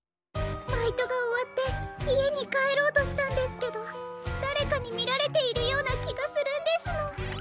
バイトがおわっていえにかえろうとしたんですけどだれかにみられているようなきがするんですの！